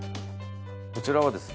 こちらはですね